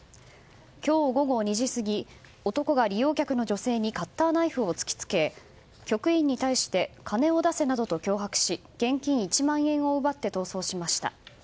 今日午後２時過ぎ男が利用客の女性にカッターナイフを突きつけ局員に対して金を出せなどと脅迫し現金１万円を奪って逃走しました。